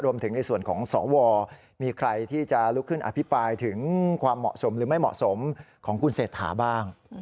รวมถึงในส่วนของสวมีใครที่จะลุกขึ้นอภิปรายถึงความเหมาะสมหรือไม่เหมาะสมของคุณเศรษฐาบ้าง